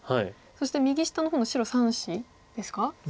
そして右下の方の白３子ですか。